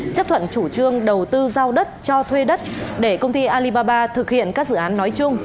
chấp thuận chủ trương đầu tư giao đất cho thuê đất để công ty alibaba thực hiện các dự án nói chung